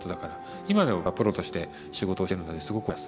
今僕はプロとして仕事をしてるのですごく分かります。